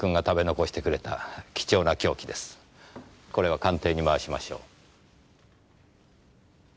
これは鑑定に回しましょう。